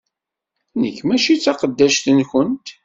Nekk mačči d taqeddact-nkent!